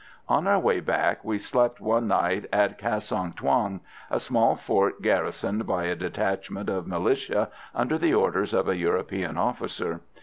On our way back we slept one night at Cassong Thuong, a small fort garrisoned by a detachment of militia under the orders of a European officer.